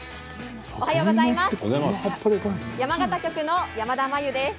おはようございます。